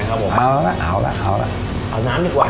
เลยครับผมเอาละเอ่าละเอาละเอ้าน้ำดีกว่า